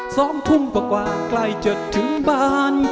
สองทุ่มกว่ากว่าใกล้จะถึงบ้าน